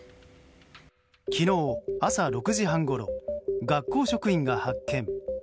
昨日朝６時半ごろ学校職員が発見。